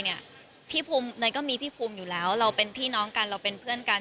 พี่ภูมิเนยก็มีพี่ภูมิอยู่แล้วเราเป็นพี่น้องกันเราเป็นเพื่อนกัน